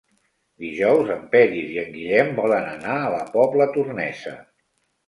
Dijous en Peris i en Guillem volen anar a la Pobla Tornesa.